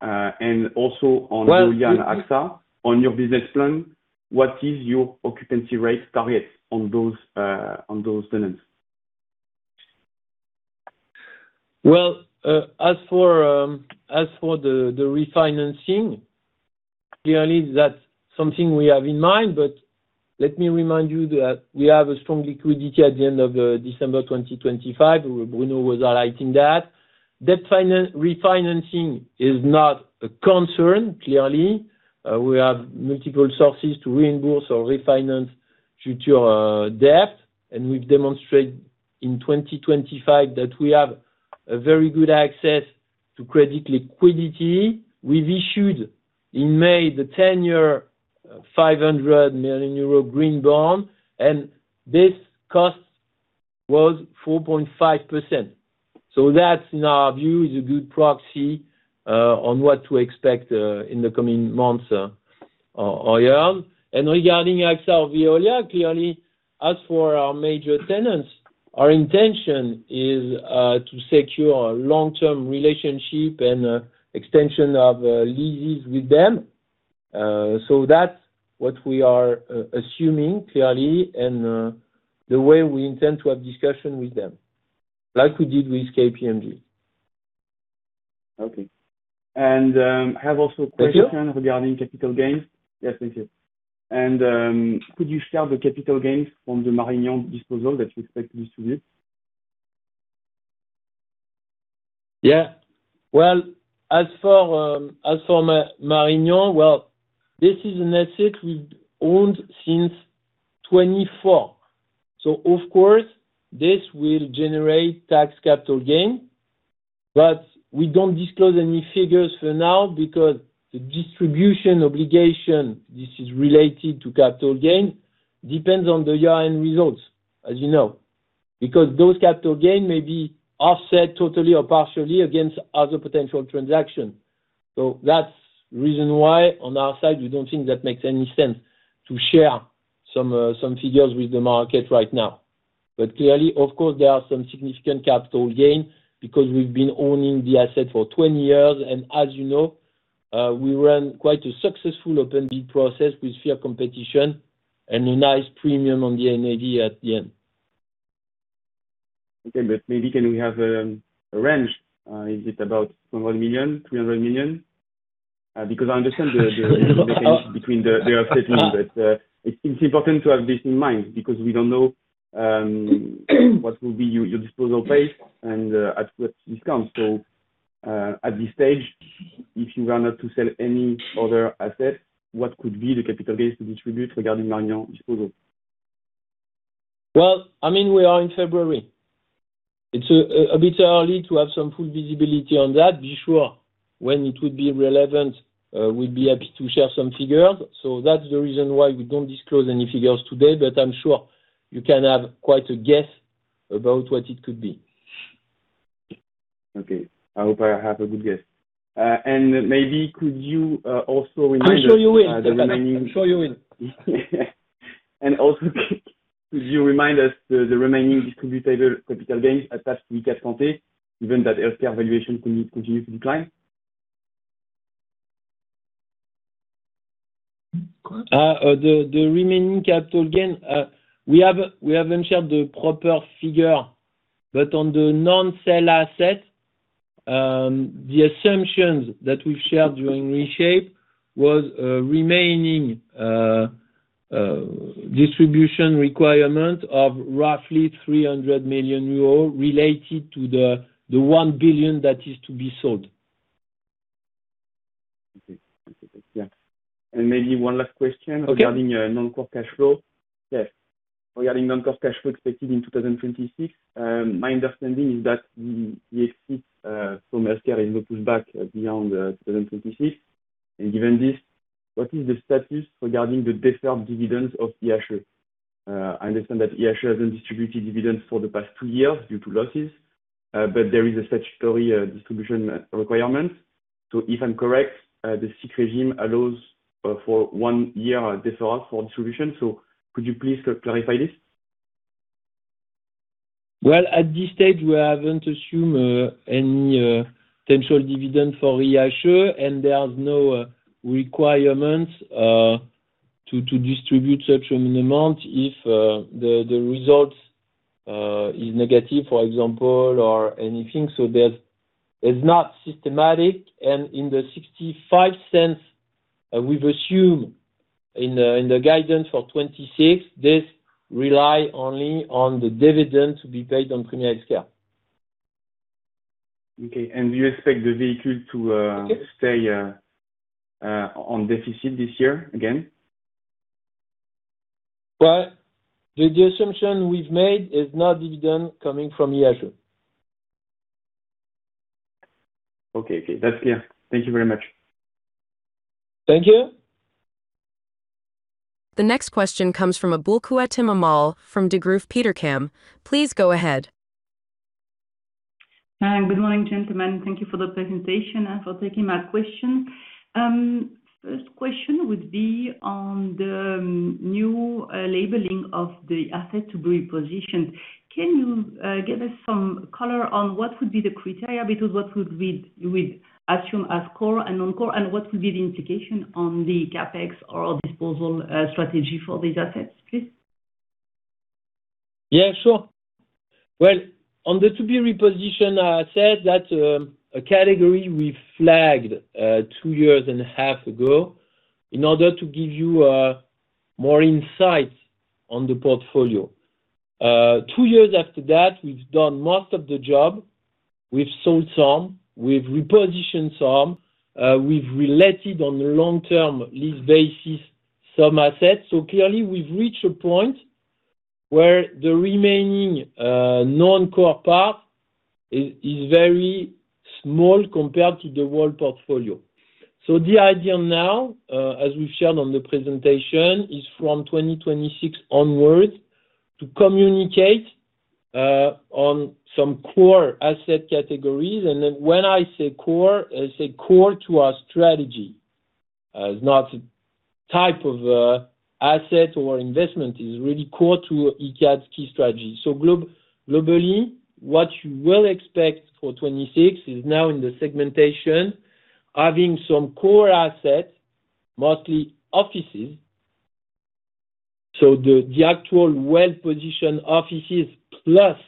and also on- Well- AXA, on your business plan, what is your occupancy rate target on those, on those tenants? Well, as for the refinancing, clearly, that's something we have in mind, but let me remind you that we have a strong liquidity at the end of December 2025, Bruno was highlighting that. Debt refinancing is not a concern, clearly. We have multiple sources to reimburse or refinance future debt, and we've demonstrated in 2025 that we have a very good access to credit liquidity. We've issued, in May, the 10-year, 500 million euro green bond, and this cost was 4.5%. So that, in our view, is a good proxy on what to expect in the coming months or year. And regarding AXA, Veolia, clearly, as for our major tenants, our intention is to secure a long-term relationship and extension of leases with them. So that's what we are assuming, clearly, and the way we intend to have discussion with them, like we did with KPMG. Okay. And, I have also a question. Thank you. Regarding capital gains. Yes, thank you. And, could you share the capital gains from the Marignan disposal that you expect to distribute? Yeah. Well, as for Marignan, well, this is an asset we've owned since 2024. So of course, this will generate tax capital gain, but we don't disclose any figures for now because the distribution obligation, this is related to capital gain, depends on the year-end results, as you know. Because those capital gain may be offset totally or partially against other potential transaction. So that's the reason why, on our side, we don't think that makes any sense to share some figures with the market right now. But clearly, of course, there are some significant capital gain because we've been owning the asset for 20 years, and as you know, we ran quite a successful open bid process with fair competition and a nice premium on the NAV at the end. Okay, maybe can we have a range? Is it about EUR 1 million? EUR 300 million? I understand the, the—between the, the asset load, but it's important to have this in mind because we don't know what will be your disposal base and at what discount. At this stage, if you are not to sell any other asset, what could be the capital gains to distribute regarding Marignan disposal? Well, I mean, we are in February. It's a bit early to have some full visibility on that. Be sure, when it would be relevant, we'll be happy to share some figures. So that's the reason why we don't disclose any figures today, but I'm sure you can have quite a guess about what it could be. Okay. I hope I have a good guess. And maybe could you also remind us- I'm sure you will. the remaining- I'm sure you will. Also, could you remind us the remaining distributable capital gains attached to Icade Santé, given that healthcare valuation continues to decline? The remaining capital gain, we haven't shared the proper figure, but on the non-sell asset, the assumptions that we've shared during ReShapE was a remaining distribution requirement of roughly 300 million euro related to the 1 billion that is to be sold. Okay. Okay, yeah. Maybe one last question- Okay. Regarding your non-core cash flow. Yes. Regarding non-core cash flow expected in 2026, my understanding is that the exit from healthcare is no pushback beyond 2026. Given this, what is the status regarding the deferred dividends of IHE? I understand that IHE hasn't distributed dividends for the past two years due to losses, but there is a statutory distribution requirement. If I'm correct, the SIIC regime allows for one year default for distribution. Could you please clarify this? Well, at this stage, we haven't assumed any potential dividend for IHE, and there's no requirement to distribute such an amount if the result is negative, for example, or anything. It's not systematic, and in the 0.65 we've assumed in the guidance for 2026, this relies only on the dividend to be paid on Praemia Healthcare. Okay. And do you expect the vehicle to, Yes... stay on deficit this year again? Well, the assumption we've made is no dividend coming from IHE. Okay, okay. That's clear. Thank you very much. Thank you. The next question comes from Aboulkhouatem Amal from Degroof Petercam. Please go ahead. Good morning, gentlemen. Thank you for the presentation and for taking my question. First question would be on the new labeling of the asset to be repositioned. Can you give us some color on what would be the criteria between what we assume as core and non-core, and what would be the implication on the CapEx or disposal strategy for these assets, please? Yeah, sure. Well, on the to-be reposition, I said that, a category we flagged, 2.5 years ago in order to give you, more insight on the portfolio. Two years after that, we've done most of the job. We've sold some, we've repositioned some, we've relet it on a long-term lease basis, some assets. So clearly, we've reached a point where the remaining, non-core part is, is very small compared to the whole portfolio. So the idea now, as we've shown on the presentation, is from 2026 onwards, to communicate, on some core asset categories. And then when I say core, I say core to our strategy. It's not type of, asset or investment, is really core to Icade's key strategy. So globally, what you will expect for 2026 is now in the segmentation, having some core assets, mostly offices. So the actual well-positioned offices plus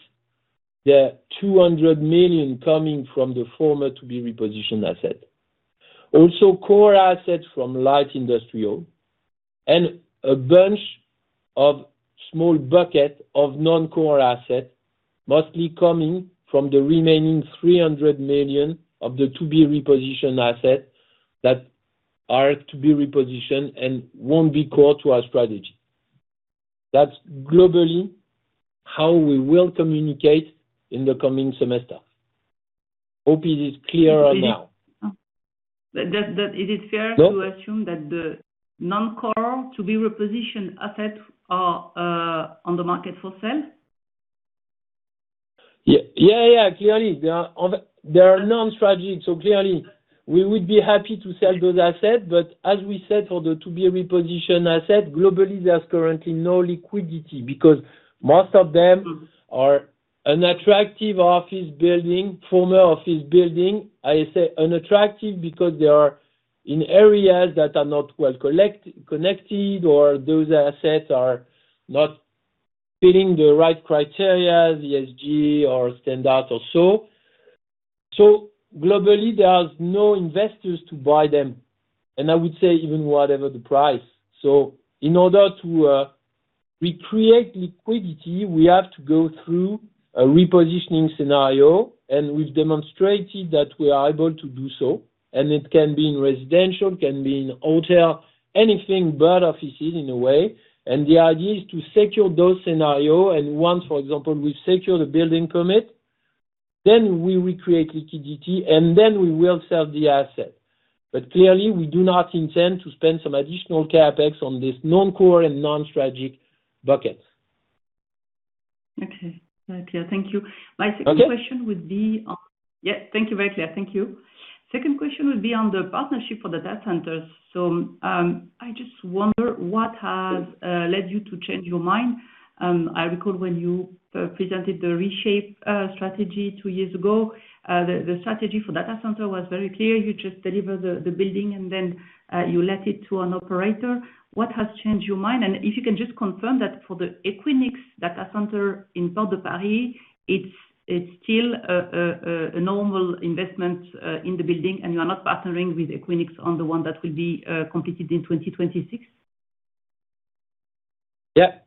the 200 million coming from the former to be repositioned asset. Also, core assets from light industrial and a bunch of small bucket of non-core assets, mostly coming from the remaining 300 million of the to-be repositioned asset that are to be repositioned and won't be core to our strategy. That's globally how we will communicate in the coming semester. Hope it is clear right now. That... Is it fair- Yeah. -to assume that the non-core, to-be repositioned assets are on the market for sale? Yeah. Yeah, yeah, clearly, they are non-strategic, so clearly, we would be happy to sell those assets, but as we said, for the to-be repositioned asset, globally, there's currently no liquidity because most of them are an attractive office building, former office building. I say unattractive because they are in areas that are not well-connected, or those assets are not fitting the right criteria, ESG or standard or so. So globally, there are no investors to buy them, and I would say even whatever the price. So in order to recreate liquidity, we have to go through a repositioning scenario, and we've demonstrated that we are able to do so, and it can be in residential, can be in hotel, anything but offices in a way. The idea is to secure those scenarios, and once, for example, we secure the building permit, then we recreate liquidity, and then we will sell the asset. But clearly, we do not intend to spend some additional CapEx on this non-core and non-strategic bucket. Okay. Very clear. Thank you. Okay. My second question would be on... Yeah, thank you. Very clear. Thank you. Second question would be on the partnership for the data centers. So, I just wonder, what has led you to change your mind? I recall when you presented the ReShapE strategy two years ago, the strategy for data center was very clear. You just deliver the building, and then you let it to an operator. What has changed your mind? And if you can just confirm that for the Equinix data center in Portes de Paris, it's still a normal investment in the building, and you are not partnering with Equinix on the one that will be completed in 2026? Yeah.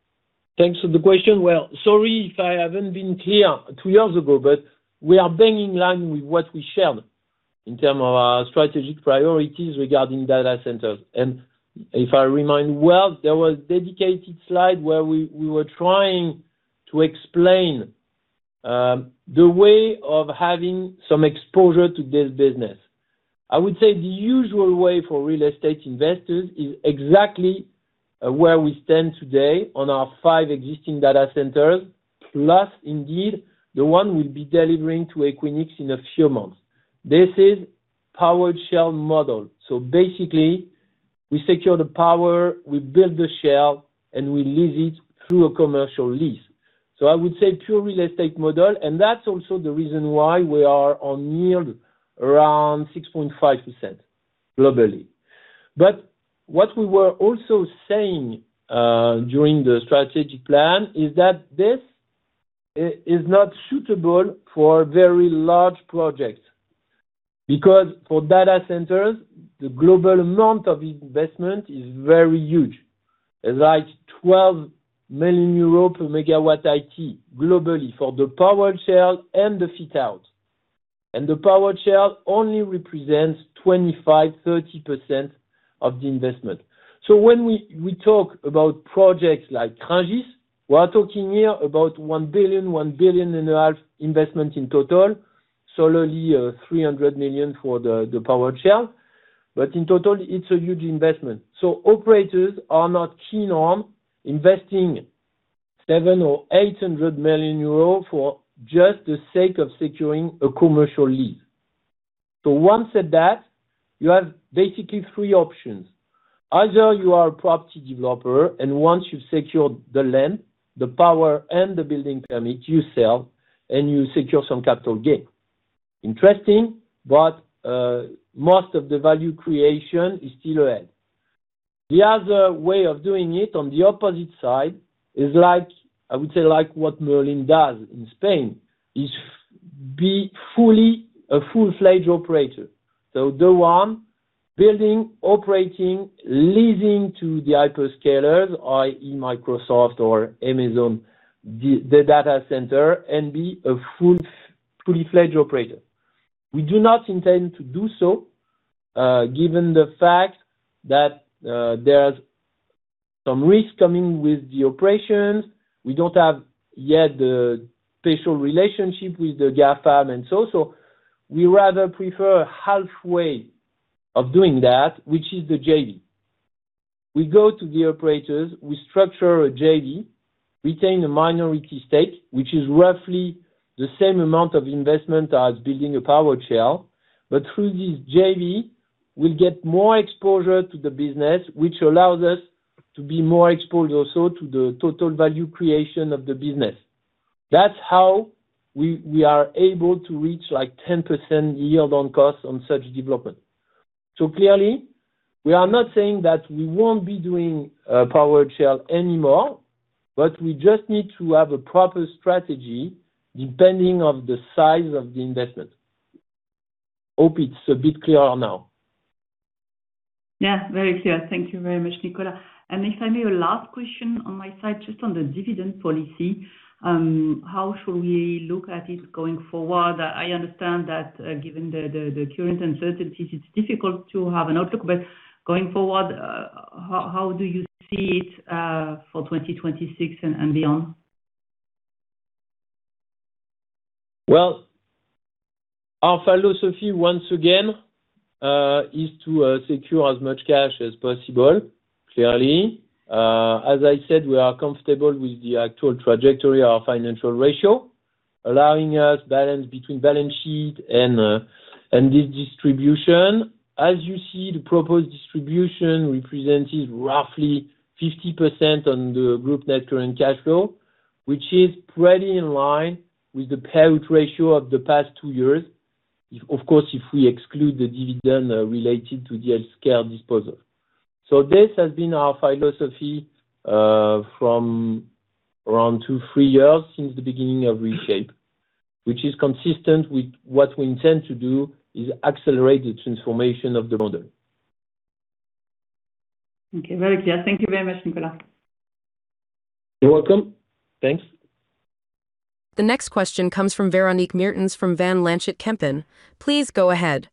Thanks for the question. Well, sorry if I haven't been clear two years ago, but we are being in line with what we shared in terms of our strategic priorities regarding data centers. And if I remind well, there was dedicated slide where we, we were trying to explain, the way of having some exposure to this business. I would say the usual way for real estate investors is exactly, where we stand today on our five existing data centers, plus indeed, the one we'll be delivering to Equinix in a few months. This is powered shell model. So basically, we secure the power, we build the shell, and we lease it through a commercial lease. So I would say pure real estate model, and that's also the reason why we are on yield around 6.5% globally. But what we were also saying during the strategic plan is that this is not suitable for very large projects. Because for data centers, the global amount of investment is very huge. It's like 12 million euros/MW IT, globally for the powered shell and the fit outs. And the powered shell only represents 25%-30% of the investment. So when we talk about projects like Rungis, we are talking here about 1 billion-1.5 billion investment in total, solely 300 million for the powered shell. But in total, it's a huge investment. So operators are not keen on investing 700 million or 800 million euros for just the sake of securing a commercial lease. So once at that, you have basically three options. Either you are a property developer, and once you've secured the land, the power, and the building permit, you sell, and you secure some capital gain. Interesting, but, most of the value creation is still ahead. The other way of doing it, on the opposite side, is like, I would say, like what Merlin does in Spain, is be fully a full-fledged operator. So the one building, operating, leasing to the hyperscalers, i.e., Microsoft or Amazon, the data center, and be a full, fully-fledged operator. We do not intend to do so, given the fact that, there's some risk coming with the operations, we don't have yet the special relationship with the GAFA and so, so. We rather prefer a halfway of doing that, which is the JV. We go to the operators, we structure a JV, retain a minority stake, which is roughly the same amount of investment as building a powered shell. But through this JV, we get more exposure to the business, which allows us to be more exposed also to the total value creation of the business. That's how we, we are able to reach like 10% yield on cost on such development. So clearly, we are not saying that we won't be doing a powered shell anymore, but we just need to have a proper strategy depending on the size of the investment. Hope it's a bit clearer now. Yes, very clear. Thank you very much, Nicolas. And if I may, a last question on my side, just on the dividend policy, how should we look at it going forward? I understand that, given the current uncertainties, it's difficult to have an outlook, but going forward, how do you see it, for 2026 and beyond? Well, our philosophy, once again, is to secure as much cash as possible, clearly. As I said, we are comfortable with the actual trajectory of our financial ratio, allowing us balance between balance sheet and this distribution. As you see, the proposed distribution represents roughly 50% on the group net current cash flow, which is pretty in line with the payout ratio of the past two years. Of course, if we exclude the dividend related to the scale disposal. This has been our philosophy from around two, three years since the beginning of ReShapE, which is consistent with what we intend to do, is accelerate the transformation of the model. Okay, very clear. Thank you very much, Nicolas. You're welcome. Thanks. The next question comes from Véronique Meertens from Van Lanschot Kempen. Please go ahead.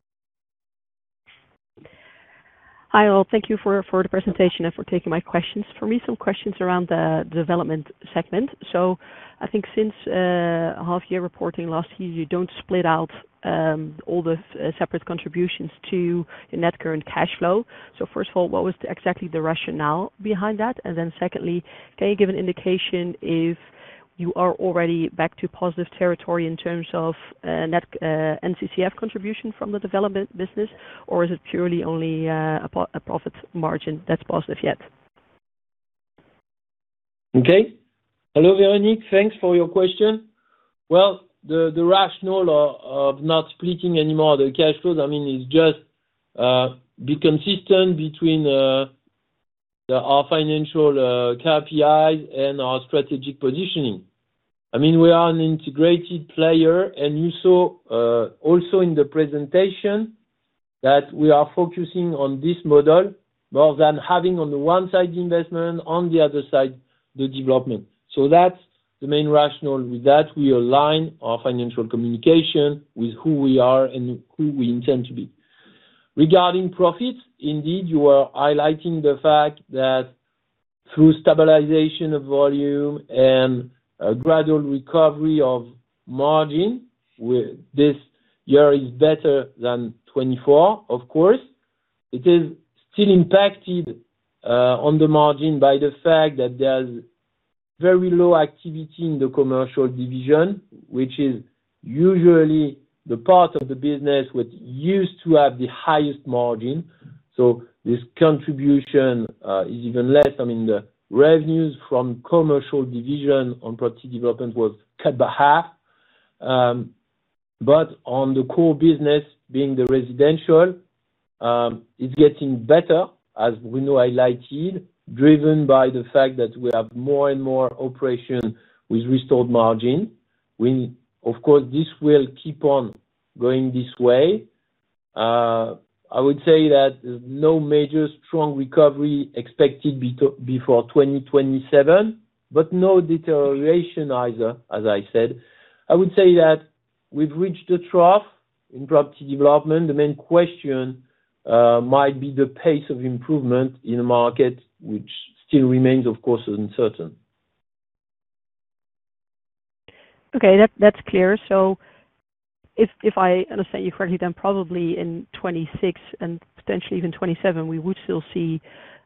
Hi, all. Thank you for the presentation and for taking my questions. For me, some questions around the development segment. So I think since half-year reporting last year, you don't split out all the separate contributions to your net current cash flow. So first of all, what was exactly the rationale behind that? And then secondly, can you give an indication if you are already back to positive territory in terms of net NCCF contribution from the development business, or is it purely only a profit margin that's positive yet? Okay. Hello, Véronique. Thanks for your question. Well, the rationale of not splitting any more the cash flows, I mean, is just be consistent between our financial KPIs and our strategic positioning. I mean, we are an integrated player, and you saw also in the presentation that we are focusing on this model more than having on the one side, the investment, on the other side, the development. So that's the main rationale. With that, we align our financial communication with who we are and who we intend to be. Regarding profits, indeed, you are highlighting the fact that through stabilization of volume and a gradual recovery of margin, with this year is better than 2024, of course. It is still impacted on the margin by the fact that there's very low activity in the commercial division, which is usually the part of the business which used to have the highest margin. So this contribution is even less. I mean, the revenues from commercial division on Property Development was cut by half. But on the core business, being the residential, it's getting better, as we know, highlighted, driven by the fact that we have more and more operation with restored margin. Of course, this will keep on going this way. I would say that no major strong recovery expected before 2027, but no deterioration either, as I said. I would say that we've reached a trough in Property Development. The main question might be the pace of improvement in the market, which still remains, of course, uncertain. Okay, that's clear. So if I understand you correctly, then probably in 2026 and potentially even 2027, we would still see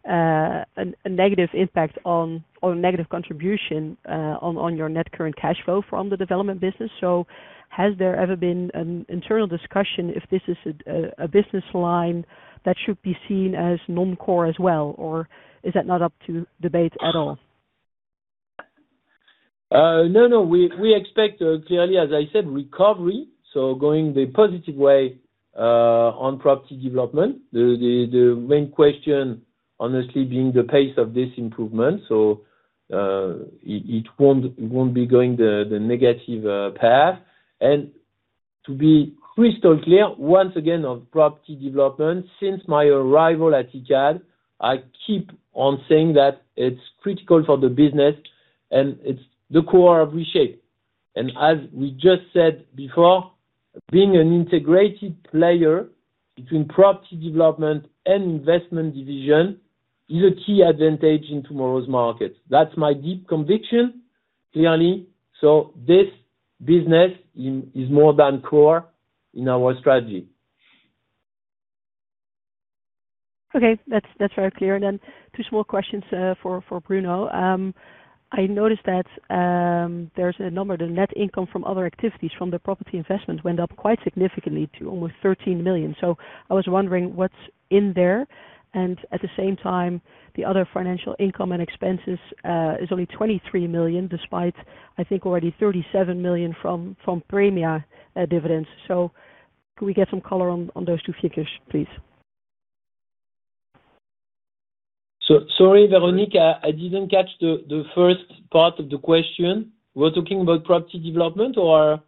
a negative impact on, or a negative contribution, on your net current cash flow from the development business. So has there ever been an internal discussion if this is a business line that should be seen as non-core as well, or is that not up to debate at all? No, no. We expect, clearly, as I said, recovery, so going the positive way on Property Development. The main question, honestly, being the pace of this improvement. So, it won't be going the negative path. And to be crystal clear, once again, on Property Development, since my arrival at Icade, I keep on saying that it's critical for the business, and it's the core of ReShapE. And as we just said before, being an integrated player between Property Development and investment division is a key advantage in tomorrow's market. That's my deep conviction, clearly. So this business is more than core in our strategy. Okay, that's, that's very clear. And then two small questions, for Bruno. I noticed that, there's a number, the net income from other activities from the Property Investment went up quite significantly to almost 13 million. So I was wondering what's in there, and at the same time, the other financial income and expenses is only 23 million, despite, I think, already 37 million from Praemia dividends. So could we get some color on those two figures, please? So sorry, Véronique, I didn't catch the first part of the question. We're talking about Property Development or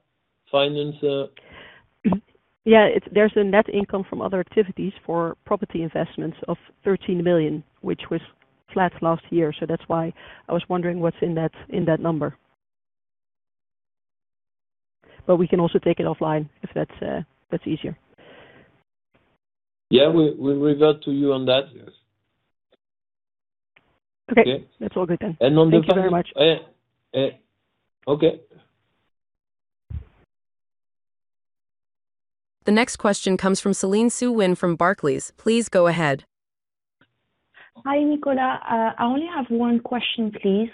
finance? Yeah, it's—there's a net income from other activities for Property Investments of 13 million, which was flat last year. So that's why I was wondering what's in that, in that number. But we can also take it offline if that's easier. Yeah, we'll revert to you on that. Okay. Yeah. That's all good then. And on the- Thank you very much. Okay. The next question comes from Céline Soo-Huynh from Barclays. Please go ahead. Hi, Nicolas. I only have one question, please.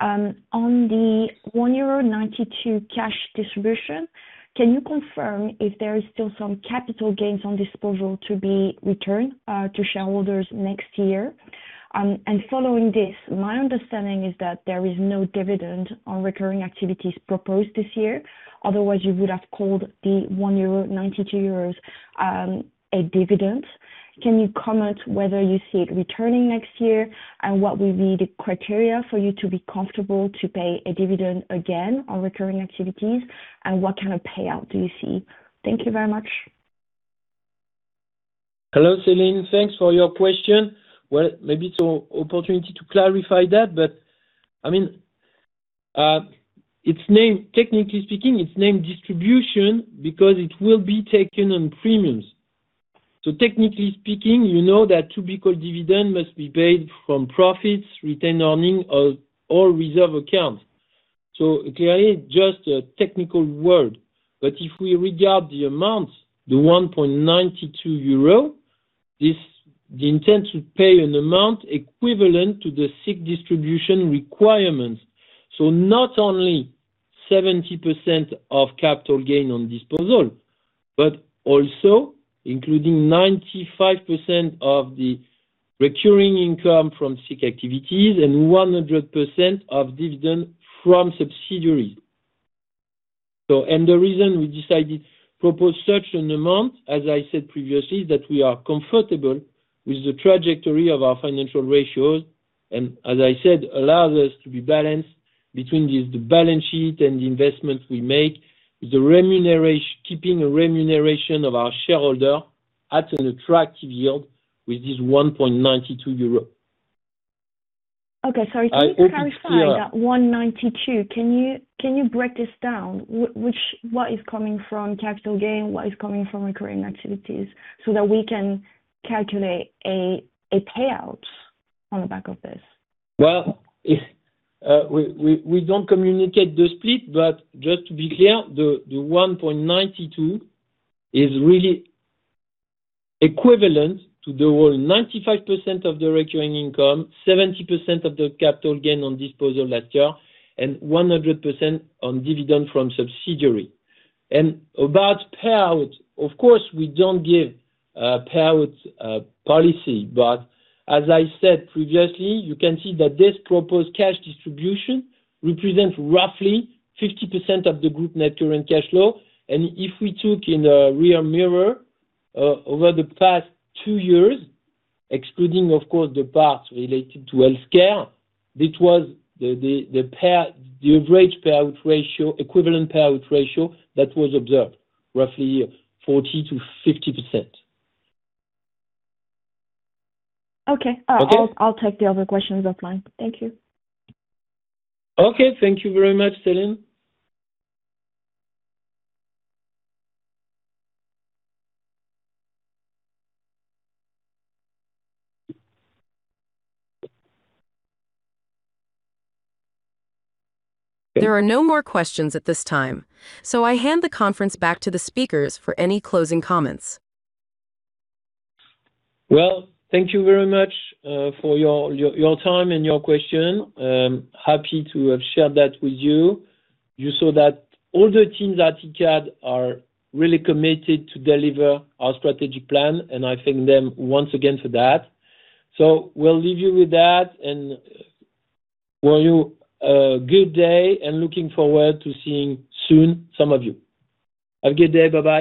On the 1.92 euro cash distribution, can you confirm if there is still some capital gains on disposal to be returned to shareholders next year? And following this, my understanding is that there is no dividend on recurring activities proposed this year. Otherwise, you would have called the 1.92 euro a dividend. Can you comment whether you see it returning next year? And what will be the criteria for you to be comfortable to pay a dividend again on recurring activities? And what kind of payout do you see? Thank you very much. Hello, Céline. Thanks for your question. Well, maybe it's an opportunity to clarify that, but, I mean, it's named, technically speaking, it's named distribution because it will be taken on premiums. So technically speaking, you know that to be called dividend must be paid from profits, retained earnings, or, or reserve accounts. So clearly, it's just a technical word. But if we regard the amount, the 1.92 euro, this... The intent to pay an amount equivalent to the SIIC distribution requirements. So not only 70% of capital gain on disposal, but also including 95% of the recurring income from SIIC activities and 100% of dividend from subsidiaries. The reason we decided to propose such an amount, as I said previously, that we are comfortable with the trajectory of our financial ratios, and as I said, allows us to be balanced between the balance sheet and the investments we make, with keeping a remuneration of our shareholder at an attractive yield with this 1.92 euro. Okay, sorry. I, I- To clarify that 1.92, can you break this down? What is coming from capital gain, what is coming from recurring activities, so that we can calculate a payout on the back of this? Well, if we don't communicate the split, but just to be clear, the 1.92 is really equivalent to the whole 95% of the recurring income, 70% of the capital gain on disposal last year, and 100% on dividend from subsidiary. About payout, of course, we don't give a payout policy, but as I said previously, you can see that this proposed cash distribution represents roughly 50% of the group net current cash flow. If we took in a rearview mirror over the past two years, excluding, of course, the part related to healthcare, this was the average payout ratio, equivalent payout ratio that was observed, roughly 40%-50%. Okay. Okay? I'll take the other questions offline. Thank you. Okay. Thank you very much, Céline. There are no more questions at this time, so I hand the conference back to the speakers for any closing comments. Well, thank you very much for your time and your question. Happy to have shared that with you. You saw that all the teams at Icade are really committed to deliver our strategic plan, and I thank them once again for that. So we'll leave you with that, and wish you a good day, and looking forward to seeing soon some of you. Have a good day. Bye-bye.